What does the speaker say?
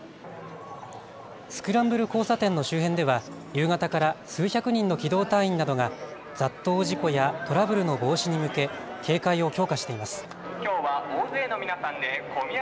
スクランブル交差点の周辺では夕方から数百人の機動隊員などが雑踏事故やトラブルの防止に向け警戒を強化しています。